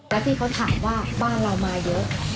แล้วพี่เขาถามว่าบ้านเรามาเยอะ